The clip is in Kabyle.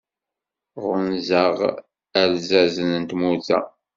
Ɣunzaɣ alzazen n tmurt-a.